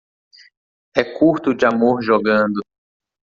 É curto de amor jogando